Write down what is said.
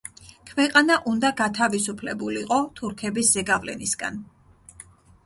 ქვეყანა უნდა გათავისუფლებულიყო თურქების ზეგავლენისგან.